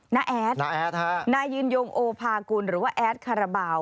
นาแอดนายืนยงโอภากุลหรือว่าแอดขระบาว